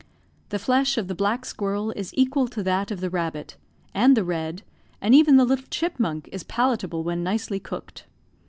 The flesh of the black squirrel is equal to that of the rabbit, and the red, and even the little chipmunk, is palatable when nicely cooked.